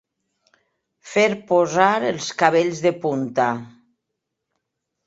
Fer posar els cabells de punta.